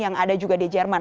yang ada juga di jerman